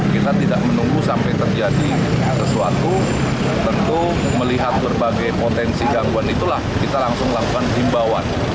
kita tidak menunggu sampai terjadi sesuatu tentu melihat berbagai potensi gangguan itulah kita langsung lakukan himbauan